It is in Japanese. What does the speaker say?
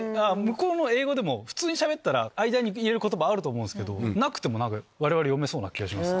英語でも普通にしゃべったら間に入れる言葉あると思うけどなくても読めそうな気がします。